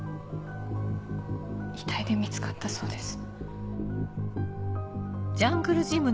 遺体で見つかったそうです。